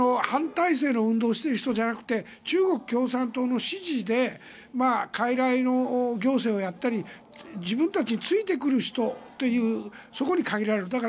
反体制の運動をしている人じゃなくて中国共産党の指示でかいらいの行政をやったり自分たちについてくる人というそこに限られる。